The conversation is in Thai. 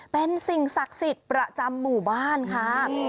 เป็นสิ่งศักดิ์สิทธิ์ประจำหมู่บ้านค่ะ